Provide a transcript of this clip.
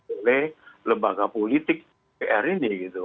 oleh lembaga politik pr ini gitu